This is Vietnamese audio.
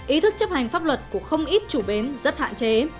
ý thức chấp hành pháp luật của không ít chủ bến rất hạn chế